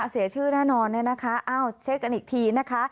เสียชื่อแน่นอนเนี่ยนะคะอ้าวเช็คกันอีกทีนะคะ